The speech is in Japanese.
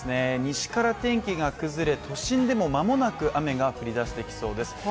西から天気が崩れ、都心でも間もなく雨が降りだしてきそうです。